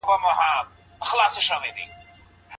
افغان ډاکټران د کار کولو مساوي حق نه لري.